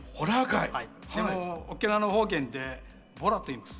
でも沖縄の方言で「ボラ」と言います。